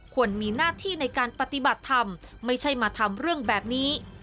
ควรมีหน้าที่ในการปฏิบัติธรรมไม่ใช่มาทำเรื่องแบบนี้